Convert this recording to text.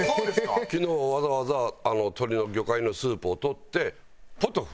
昨日わざわざ魚介のスープを取ってポトフ。